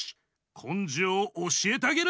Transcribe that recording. こんじょうをおしえてあげる。